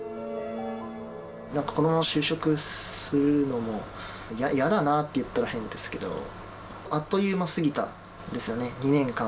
なんかこのまま就職するのも、嫌だなって言ったら変ですけど、あっという間すぎたんですよね、２年間。